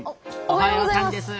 おはようございます。